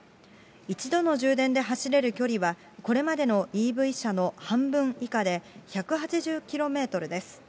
一度の充電で走れる距離はこれまでのＥＶ車の半分以下で、１８０キロメートルです。